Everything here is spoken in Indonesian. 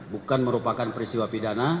bukan merupakan peristiwa pidana